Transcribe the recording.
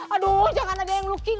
aduh jangan ada yang luking